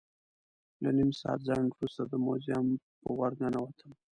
له نیم ساعت ځنډ وروسته د موزیم په ور ننوتم.